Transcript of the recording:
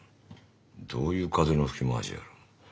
どういう風の吹き回しや。